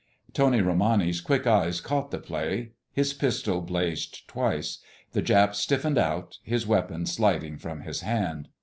Tony Romani's quick eyes caught the play. His pistol blazed twice. The Jap stiffened out, his weapon sliding from his hand.